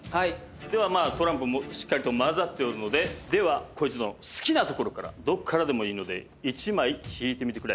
ではトランプしっかりと交ざっておるので光一殿好きな所からどっからでもいいので１枚引いてみてくれ。